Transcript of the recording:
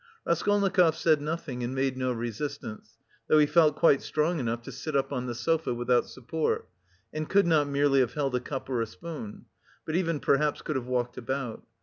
Raskolnikov said nothing and made no resistance, though he felt quite strong enough to sit up on the sofa without support and could not merely have held a cup or a spoon, but even perhaps could have walked about.